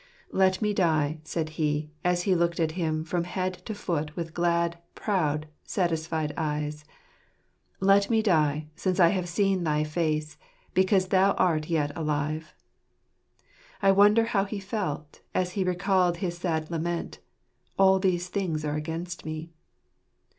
" Let me die," said he, as he looked at him, from head to foot with glad, proud, satisfied eyes :" let me die, since I have seen thy face ; because thou art yet alive." I wonder how he felt, as he recalled his sad lament, " All these things are against me."